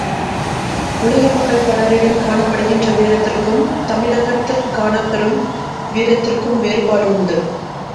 உலக மக்கள் பலரிடமும் காணப்படுகின்ற வீரத்திற்கும் தமிழகத்திற் காணப்பெறும் வீரத்திற்கும் வேறுபாடு உண்டு.